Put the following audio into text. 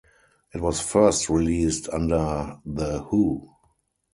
It was first released under the Huh!